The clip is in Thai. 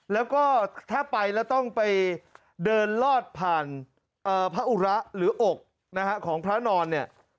แล้วก็ถ้าไปแล้วต้องไปเดินลอดผ่านพระอุระหรืออกนะฮะของพระนอนเนี่ย